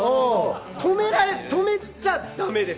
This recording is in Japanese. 止めちゃだめです。